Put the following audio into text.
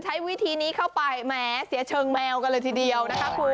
ใช้วิธีนี้เข้าไปแหมเสียเชิงแมวกันเลยทีเดียวนะคะคุณ